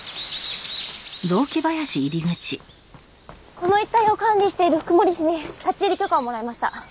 この一帯を管理している福森市に立ち入り許可をもらいました。